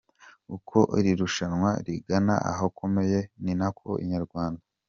Uko iri rushanwa rigana ahakomeye ni nako Inyarwanda.